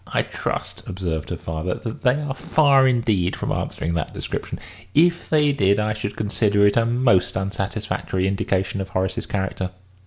"I trust," observed her father, "that they are far indeed from answering that description. If they did, I should consider it a most unsatisfactory indication of Horace's character."